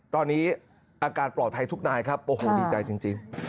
ตอนนี้อาการปลอดภัยทุกนายครับโอ้โหดีใจจริง